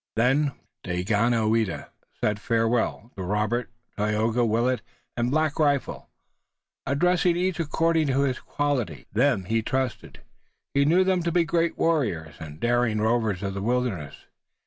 Then Daganoweda said farewell to Robert, Tayoga, Willet and Black Rifle, addressing each according to his quality. Them he trusted. He knew them to be great warriors and daring rovers of the wilderness.